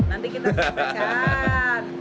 nanti kita sampaikan